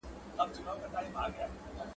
د زیږون واټن ولي مهم دی؟